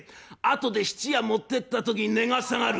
後で質屋持ってった時に値が下がる」。